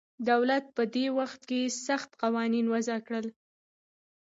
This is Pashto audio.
دولت په دې وخت کې سخت قوانین وضع کړل